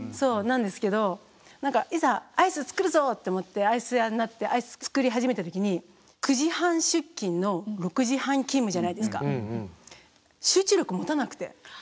なんですけどいざアイス作るぞって思ってアイス屋になってアイス作り始めた時に９時半出勤の６時半勤務じゃないですか。